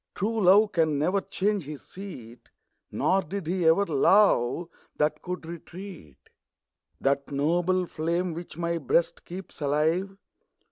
True love can never change his seat ; Nor did he ever love that can retreat. That noble flame, which my Ijreast keeps alive.